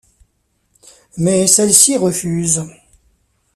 Mais celle-ci refuse.